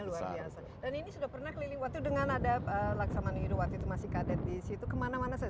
dan ini sudah pernah keliling waktu dengan ada laksamana yudo waktu itu masih kadet di situ kemana mana saja